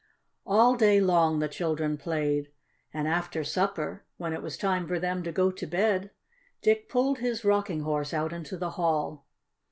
All day long the children played, and after supper, when it was time for them to go to bed, Dick pulled his Rocking Horse out into the hall.